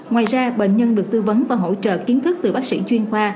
ngoài ra bệnh nhân được tư vấn và hỗ trợ kiến thức từ bác sĩ chuyên khoa